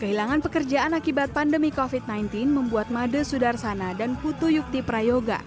kehilangan pekerjaan akibat pandemi covid sembilan belas membuat made sudarsana dan putu yukti prayoga